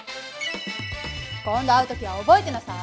今度会う時は覚えてなさい。